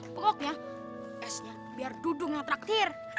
pokoknya esnya biar dudung yang terakhir